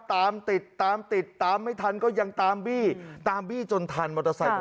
ติดตามติดตามไม่ทันก็ยังตามบี้ตามบี้จนทันมอเตอร์ไซค์